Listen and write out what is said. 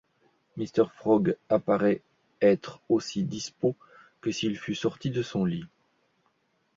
Mr. Fogg paraissait être aussi dispos que s’il fût sorti de son lit.